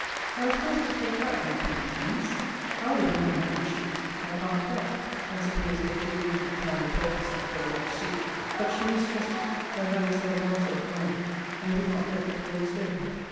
I was forced to take back my twenty guineas. How the women managed it I can't tell, (I suppose they too readily found a purchaser for the rich suit;) but she mistrusted, that I was the advancer of the money; and would not let the clothes go.